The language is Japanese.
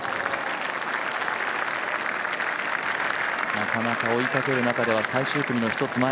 なかなか追いかける中では、最終組の１つ前。